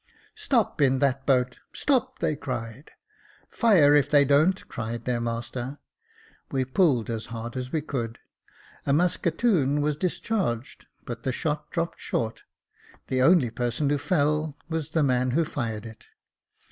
" Stop in that boat ! stop !" they cried. " Fire, if they don't," cried their master. We pulled as hard as we could. A musquetoon was Jacob Faithful 301 discharged, but the shot dropped short ; the only person ■who fell was the man who fired it.